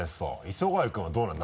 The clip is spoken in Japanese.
磯谷君はどうなの？